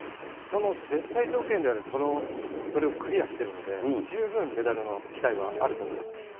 その絶対条件であるそれをクリアしてるので、十分メダルの期待はあると思うんです。